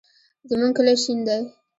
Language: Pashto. زمونږ کلی شین دی